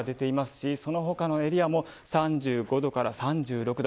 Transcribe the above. その他のエリアでも３５度から３６度。